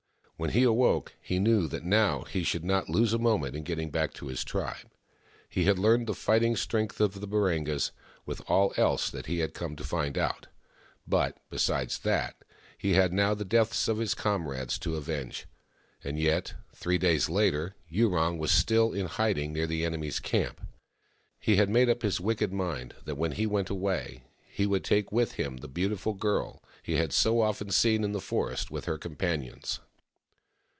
When he awoke, he knew that now he should not lose a moment in getting back to his tribe. He had learned the fighting strength of the Baringas, with all else that he had come to find out ; but. THE MAIDEN WHO FOUND THE MOON 139 besides that, he had now the deaths of his comrades to avenge. And yet, three days later, Yurong was still in hiding near the enemy's camp. He had made up his wicked mind that when he went away he would take with him the beautiful girl he had so often seen in the forest with her companions.